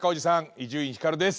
伊集院光です。